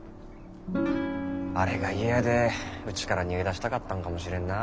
あれが嫌でうちから逃げ出したかったんかもしれんな。